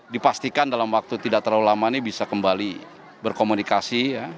dipastikan dalam waktu tidak terlalu lama ini bisa kembali berkomunikasi